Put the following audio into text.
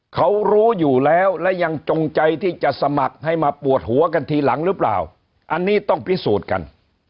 เขารู้อยู่แล้วและยังจงใจที่จะสมัครให้มาปวดหัวกันทีหลังหรือเปล่าอันนี้ต้องพิสูจน์กัน